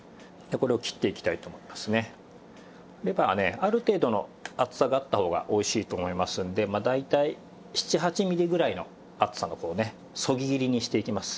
ある程度の厚さがあった方がおいしいと思いますのでまあ大体７８ミリぐらいの厚さのこうねそぎ切りにしていきます。